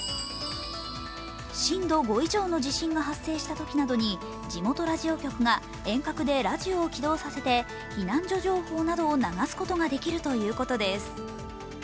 震度５以上の地震が発生したときなどに地元ラジオ局が遠隔でラジオを起動させて避難所情報などを流すことができるということです。